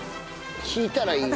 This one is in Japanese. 引いたらいい？